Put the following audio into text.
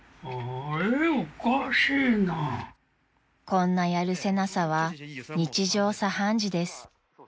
［こんなやるせなさは日常茶飯事です］